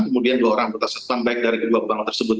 kemudian dua orang putus satpam baik dari kedua bank tersebut